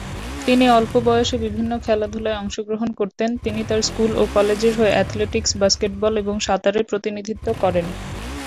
তিনি অল্প বয়সে বিভিন্ন খেলাধুলায় অংশ গ্রহণ করতেন, তিনি তাঁর স্কুল ও কলেজের হয়ে অ্যাথলেটিকস, বাস্কেটবল এবং সাঁতারে প্রতিনিধিত্ব করেন।